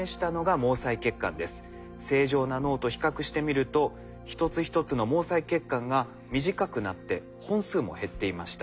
正常な脳と比較してみると一つ一つの毛細血管が短くなって本数も減っていました。